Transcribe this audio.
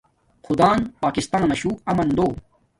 خدان پاکستانا شو آمن دو